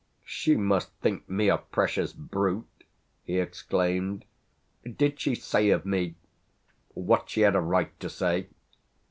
"She must think me a precious brute!" he exclaimed. "Did she say of me what she had a right to say?"